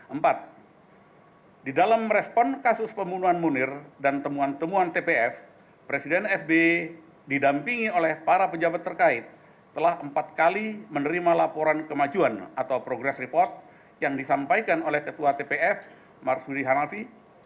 empat di dalam merespon kasus pembunuhan munir dan temuan temuan tpf presiden sb didampingi oleh para pejabat terkait telah empat kali menerima laporan kemajuan atau progress report yang disampaikan oleh ketua tpf marsudi hanafi